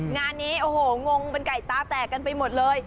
งานนี้โอ้โหงงเป็นไก่ตาแตกกันไปหมดเลย